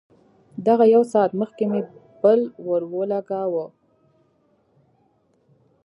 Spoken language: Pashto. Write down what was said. دغه يو ساعت مخکې مې بل ورولګاوه.